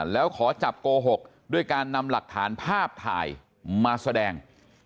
แล้วขอจับโกหกด้วยการนำหลักฐานภาพถ่ายมาแสดง